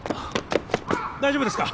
大丈夫ですか？